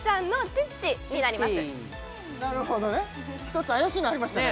チッチなるほどね一つ怪しいのありましたね